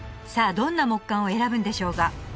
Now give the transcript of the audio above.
どんな木棺を選ぶんでしょうか？